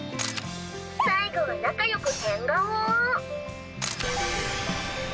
最後は仲よく変顔！